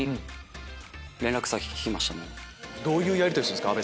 どういうやりとりするんですか？